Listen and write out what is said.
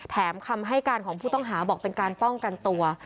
คำให้การของผู้ต้องหาบอกเป็นการป้องกันตัว